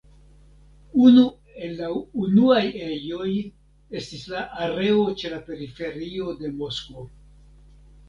Unu el la unuaj ejoj estis la areo ĉe la periferio de Moskvo.